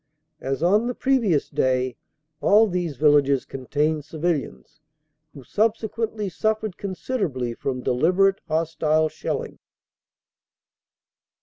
As on the previous day, all these villages contained civilians, who sub sequently suffered considerably from deliberate hostile shell ing.